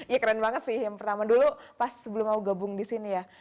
ya keren banget sih yang pertama dulu pas sebelum mau gabung di sini ya